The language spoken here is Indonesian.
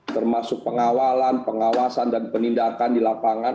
termasuk pengawalan pengawasan dan penindakan di lapangan